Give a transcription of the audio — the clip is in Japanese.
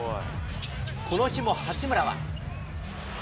この日も八村は。